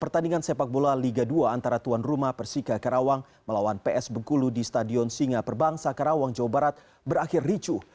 pertandingan sepak bola liga dua antara tuan rumah persika karawang melawan ps bengkulu di stadion singa perbangsa karawang jawa barat berakhir ricuh